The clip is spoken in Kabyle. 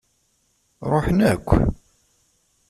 Ṛuḥen akk.